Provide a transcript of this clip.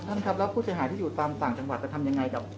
ท่านครับแล้วผู้เสียหายที่อยู่ตามต่างจังหวัดจะทำยังไงกับ